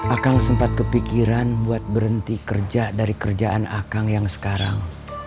akang sempat kepikiran buat berhenti kerja dari kerjaan akang yang sekarang